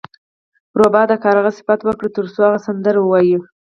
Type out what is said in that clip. روباه د کارغه صفت وکړ ترڅو هغه سندره ووایي.